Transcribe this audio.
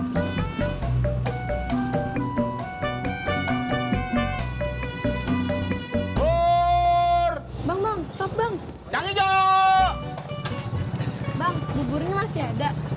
tadi katanya masih ada